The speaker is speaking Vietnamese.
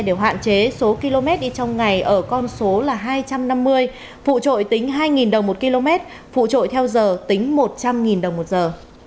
đều hạn chế số km đi trong ngày ở con số là hai trăm năm mươi phụ trội tính hai đồng một km phụ trội theo giờ tính một trăm linh đồng một giờ